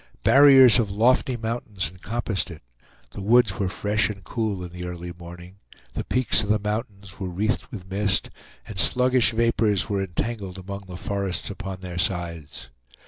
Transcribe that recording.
Barriers of lofty mountains encompassed it; the woods were fresh and cool in the early morning; the peaks of the mountains were wreathed with mist, and sluggish vapors were entangled among the forests upon their sides.